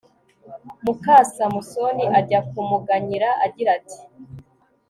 muka samusoni ajya kumuganyira, agira ati